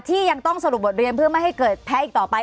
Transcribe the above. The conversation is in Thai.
ยังต้องสรุปบทเรียนเพื่อไม่ให้เกิดแพ้อีกต่อไป